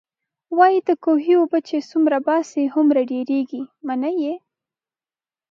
وايي د کوهي اوبه چې څومره باسې، هومره ډېرېږئ. منئ يې؟